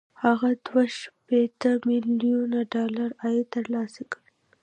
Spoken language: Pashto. هغه دوه شپېته ميليونه ډالر عاید ترلاسه کړ